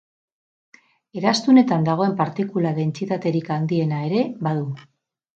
Eraztunetan dagoen partikula dentsitaterik handiena ere badu.